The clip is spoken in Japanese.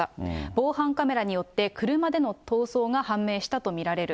防犯カメラによって、車での逃走が判明したと見られる。